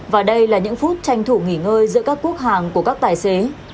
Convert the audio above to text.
và đây là những phút tranh thủ nghỉ ngơi giữa các quốc hàng của các tài xế